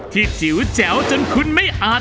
จิ๋วแจ๋วจนคุณไม่อาจ